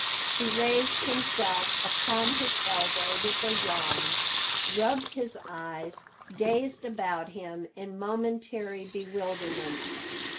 He raised himself upon his elbow with a yawn, rubbed his eyes, gazed about him in momentary bewilderment.